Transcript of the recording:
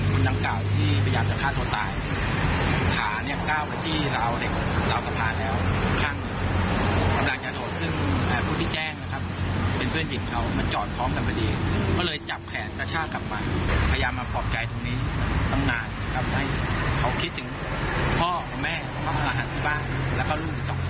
ทำให้เขาคิดถึงพ่อแม่อาหารที่บ้านแล้วก็ลูกอีกสองคน